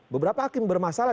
beberapa hakim bermasalah